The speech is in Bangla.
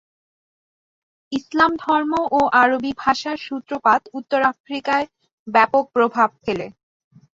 ইসলাম ধর্ম ও আরবি ভাষার সূত্রপাত উত্তর আফ্রিকায় ব্যাপক প্রভাব ফেলে।